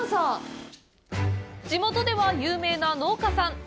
地元では有名な農家さん。